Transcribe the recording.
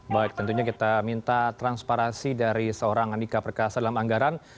baik tentunya kita minta transparansi dari seorang andika perkasa dalam anggaran